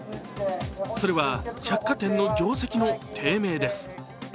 それは、百貨店の業績の低迷です。